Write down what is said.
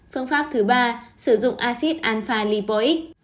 phương pháp thứ ba là sử dụng acid alpha lipoic